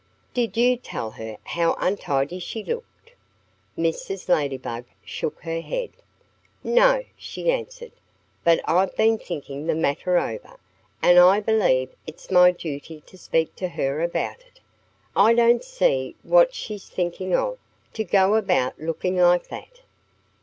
Did you tell her how untidy she looked?" Mrs. Ladybug shook her head. "No!" she answered. "But I've been thinking the matter over. And I believe it's my duty to speak to her about it. I don't see what she's thinking of, to go about looking like that!"